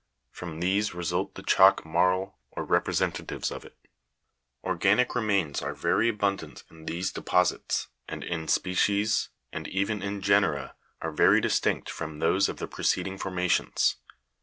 From these result the chalk marlj or representatives of it. 13. Organic remains are in very abundant these deposits, and in species and even in ge nera are very distinct from those of the preced ing formations.